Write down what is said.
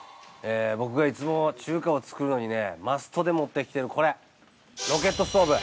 ◆僕が、いつも中華を作るのにねマストで持ってきているこれ、ロケットストーブ。